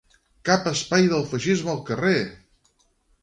Cap espai pel feixisme al carrer!